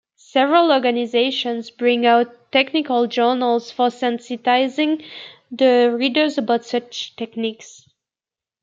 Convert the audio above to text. Several organizations bring out technical Journals for sensitizing the readers about such techniques.